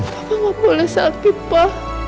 papa gak boleh sakit pa